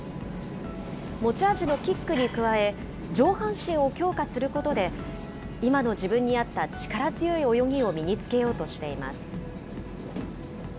持ち味のキックに加え、上半身を強化することで、今の自分に合った力強い泳ぎを身につけようとしています。